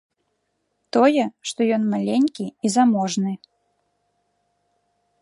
Тое, што ён маленькі і заможны.